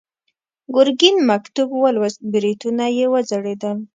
ګرګين مکتوب ولوست، برېتونه يې وځړېدل.